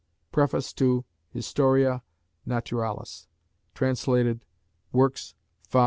Preface to Historia Naturalis: translated, Works, v.